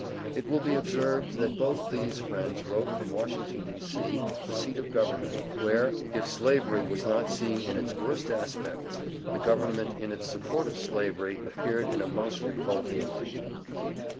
It will be observed, that both these friends wrote from Washington, D.C., the seat of Government, where, if Slavery was not seen in its worst aspects, the Government in its support of Slavery appeared in a most revolting light.